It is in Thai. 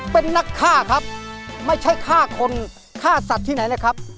เพลงนี้อยู่ในอาราบัมชุดแรกของคุณแจ็คเลยนะครับ